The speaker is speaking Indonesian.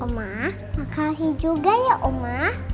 oma makasih juga ya oma